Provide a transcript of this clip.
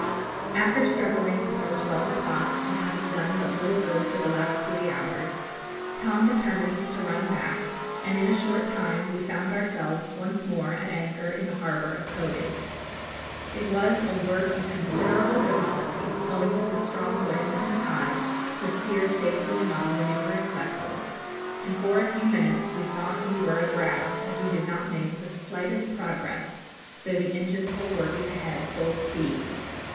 After struggling until twelve o'clock, and having done but little good for the last three hours, Tom determined to run back, and in a short time we found ourselves once more at anchor in the harbour of Kobe. It was a work of considerable difficulty, owing to the strong wind and tide, to steer safely among the numerous vessels, and for a few minutes we thought we were aground, as we did not make the slightest progress, though the engines were working ahead full speed.